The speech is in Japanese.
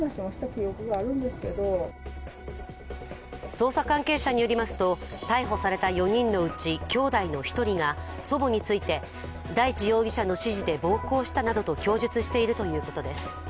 捜査関係者によりますと逮捕された４人のうちきょうだいの１人が祖母について大地容疑者の指示で暴行したなどと供述しているということです。